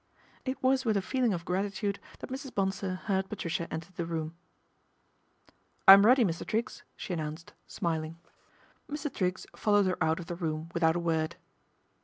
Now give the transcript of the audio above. It was with a feeling of gratitude that Mrs. Eonsor heard Patricia enter the room. " I'm ready, Mr. Triggs," she announced, smiling. 148 PATRICIA BRENT, SPINSTER Mr. Triggs followed her out of the room without a word.